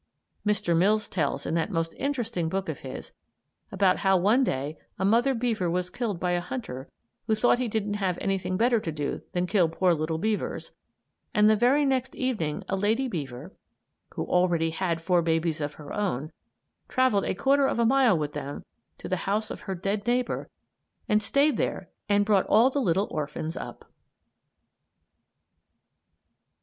Mr. Mills tells in that most interesting book of his about how one day a mother beaver was killed by a hunter who thought he didn't have anything better to do than kill poor little beavers; and the very next evening a lady beaver, who already had four babies of her own, travelled a quarter of a mile with them to the house of her dead neighbor and stayed there and brought all the little orphans up!